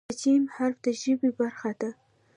د "ج" حرف د ژبې برخه ده.